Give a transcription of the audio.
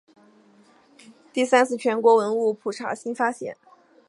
第三次全国文物普查新发现。